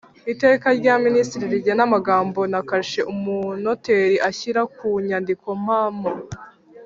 Iteka rya Minisitiri rigena amagambo na kashe Umunoteri ashyira ku nyandiko mpamo